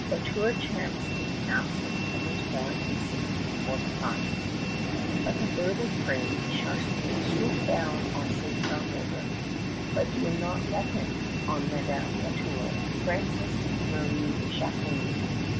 La Tour chanced to be absent from his fort in 1645. Like a bird of prey Charnisay swooped on St. John River; but he had not reckoned on Madame La Tour Frances Marie Jacqueline.